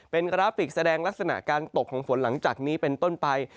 เป็นกราฟิกแสดงลักษณะการตกของฝนหลังจากนี้เป็นต้นไป